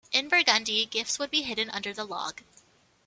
In Burgundy, gifts would be hidden under the log.